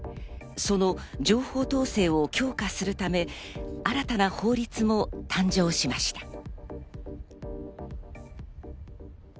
その情報統制を強化するため、新たな法律も誕生しました。